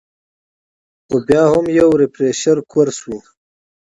خو بيا هم يو ريفرېشر کورس وۀ -